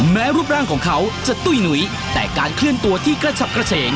แม้รูปร่างของเขาจะตุ้ยหลุยแต่การเคลื่อนตัวที่กระฉับกระเฉง